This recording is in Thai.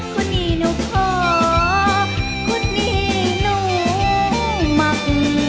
คุณหนูขอคุณหนูมัก